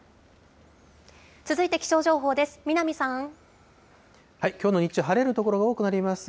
続いて気象情報です。